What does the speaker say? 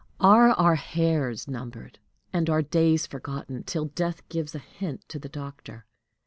Are our hairs numbered, and our days forgotten till death gives a hint to the doctor?